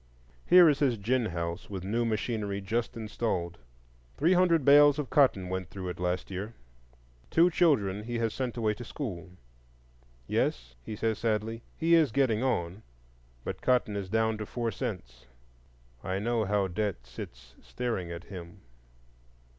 Here is his gin house with new machinery just installed. Three hundred bales of cotton went through it last year. Two children he has sent away to school. Yes, he says sadly, he is getting on, but cotton is down to four cents; I know how Debt sits staring at him.